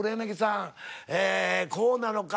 えーこうなのか